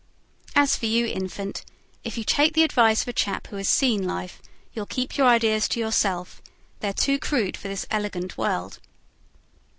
As for you, Infant, if you take the advice of a chap who has seen life, you'll keep your ideas to yourself: they're too crude for this elegant world."